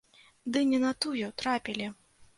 Ды не на тую трапілі.